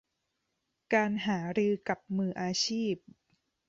การหารือกับมืออาชีพ